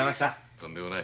とんでもない。